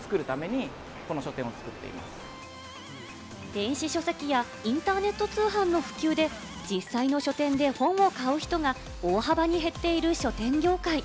電子書籍やインターネット通販の普及で、実際の書店で本を買う人が大幅に減っている書店業界。